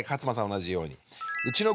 同じように。